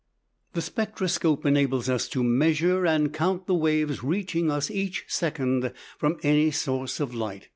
The spectroscope (p. 21) enables us to measure and count the waves reaching us each second from any source of light.